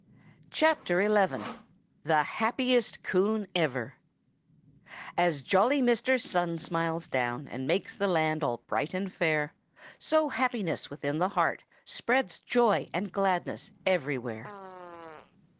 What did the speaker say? XI. THE HAPPIEST COON EVER As jolly Mr. Sun smiles down And makes the land all bright and fair So happiness within the heart Spreads joy and gladness everywhere.